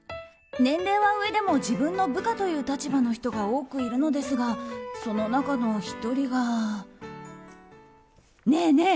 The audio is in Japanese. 年齢は上でも自分の部下という立場の人が多くいるのですがその中の１人が。